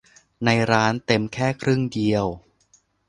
ในร้านเต็มแค่ครึ่งเดียว